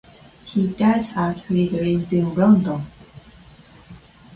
He died at Islington, London.